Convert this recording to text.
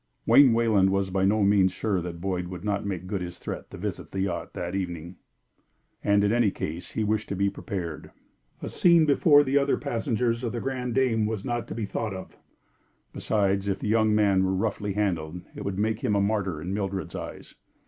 Wayne Wayland was by no means sure that Boyd would not make good his threat to visit the yacht that evening, and in any case he wished to be prepared. A scene before the other passengers of The Grande Dame was not to be thought of. Besides, if the young man were roughly handled, it would make him a martyr in Mildred's eyes.